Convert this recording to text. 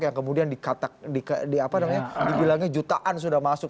yang kemudian dikatak di apa namanya dibilangnya jutaan sudah masuk